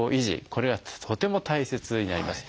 これはとても大切になります。